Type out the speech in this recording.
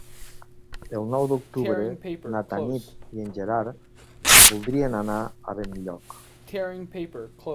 El nou d'octubre na Tanit i en Gerard voldrien anar a Benlloc.